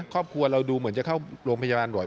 ครอบครัวเราดูเหมือนจะเข้าโรงพยาบาลบ่อย